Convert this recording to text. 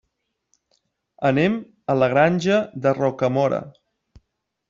Anem a la Granja de Rocamora.